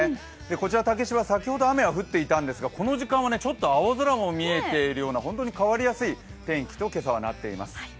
こちら竹芝、先ほどは雨が降っていたんですがこの時間はちょっと青空も見えているような、本当に変わりやすい天気と今朝はなっています。